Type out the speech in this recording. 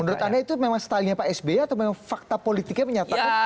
menurut anda itu memang style nya pak sby atau memang fakta politiknya menyatakan seperti itu